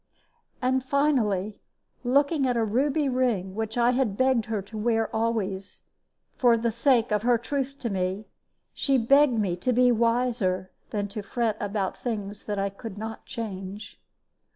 And finally, looking at a ruby ring which I had begged her to wear always, for the sake of her truth to me, she begged me to be wiser than to fret about things that I could not change.